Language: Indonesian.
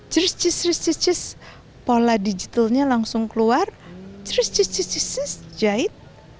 cis cis pola digitalnya langsung keluar cis cis jahit